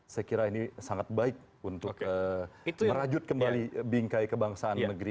saya kira ini sangat baik untuk merajut kembali bingkai kebangsaan negeri